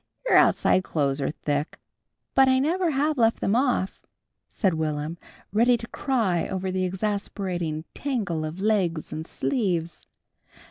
"Your outside clothes are thick." "But I never have left them off," said Will'm, ready to cry over the exasperating tangle of legs and sleeves.